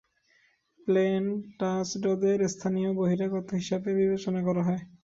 Plane টাচডদের স্থানীয় বহিরাগত হিসেবে বিবেচনা করা হয়।